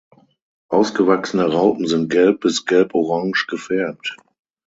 Ausgewachsene Raupen sind gelb bis gelborange gefärbt.